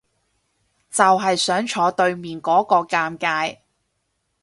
就係想坐對面嗰個尷尬